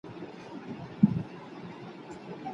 علمي سیمینار په ناقانونه توګه نه جوړیږي.